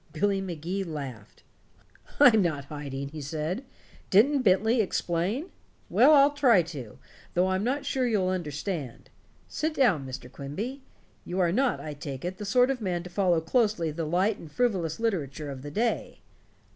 Billy Magee laughed. "I'm not hiding," he said. "Didn't Bentley explain? Well, I'll try to, though I'm not sure you'll understand. Sit down, Mr. Quimby. You are not, I take it, the sort of man to follow closely the light and frivolous literature of the day."